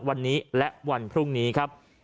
วันนี้และวันพรุ่งนี้ครับ